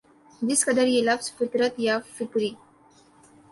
جس قدر یہ لفظ فطرت یا فطری